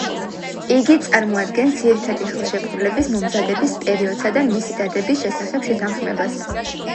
იგი წარმოადგენს ძირითადი ხელშეკრულების მომზადების პერიოდსა და მისი დადების შესახებ შეთანხმებას.